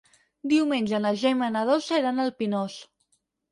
Diumenge na Gemma i na Dolça iran al Pinós.